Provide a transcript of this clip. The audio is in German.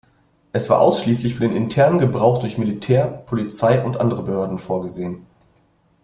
Es war ausschließlich für den internen Gebrauch durch Militär, Polizei und andere Behörden vorgesehen.